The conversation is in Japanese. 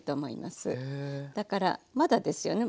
だからまだですよね。